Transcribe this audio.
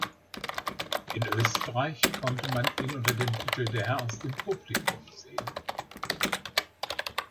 In Österreich konnte man ihn unter dem Titel "Der Herr aus dem Publikum" sehen.